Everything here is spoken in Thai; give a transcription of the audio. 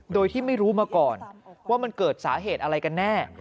โดยที่ไม่รู้มาก่อนว่ามันเกิดสาเหตุอะไรกันแน่